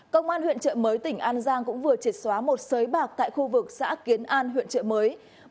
công an huyện trợ mới tỉnh an giang cũng vừa triệt xóa một sới bạc tại khu vực xã kiến an huyện trợ mới